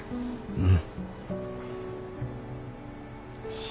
うん。